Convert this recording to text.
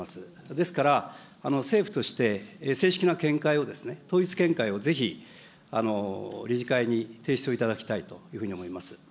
ですから、政府として正式な見解を、統一見解をぜひ理事会に提出をいただきたいというふうに思います。